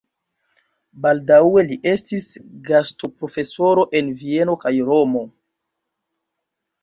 Baldaŭe li estis gastoprofesoro en Vieno kaj Romo.